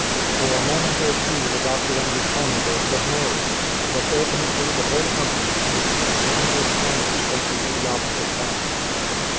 For a moment or two the doctor and his pony were submerged, but ultimately the whole company managed to swim or scramble safely to the opposite bank.